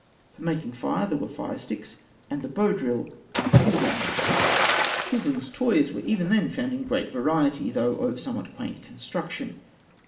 For making fire there were fire sticks, and the bow drill for using them (figs. 255 and 181); children's toys were even then found in great variety though of somewhat quaint construction.